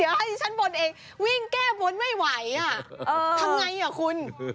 เดี๋ยวให้ฉันบนเองวิ่งแก้บนไม่ไหวอ่ะทำไงอ่ะคุณ